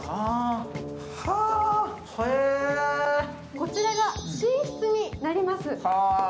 こちらが寝室になります。